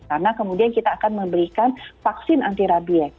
karena kemudian kita akan memberikan vaksin antirabiek